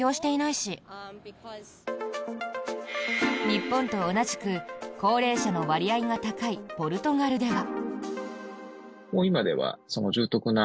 日本と同じく高齢者の割合が高いポルトガルでは。